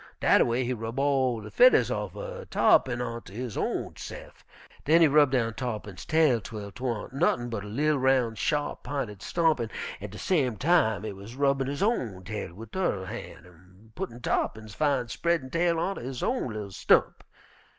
Dat a way he rub all de fedders offen Tarr'pin onter his own se'f. Den he rub down Tarr'pin's tail 'twel 'twan't nuttin' but a li'l roun', sharp p'inted stump, an' at de same time he wuz rubbin' his own tail wid tu'rr han' an' puttin' Tarr'pin's fine, spreadin' tail onter his own li'l stump.